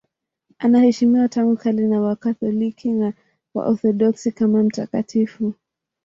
Anaheshimiwa tangu kale na Wakatoliki na Waorthodoksi kama mtakatifu.